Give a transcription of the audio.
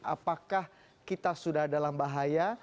apakah kita sudah dalam bahaya